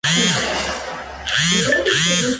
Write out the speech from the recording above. Cuando arribaba, se sembraban camote, casaba, y bananas.